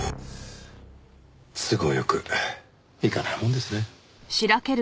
都合良くいかないもんですね。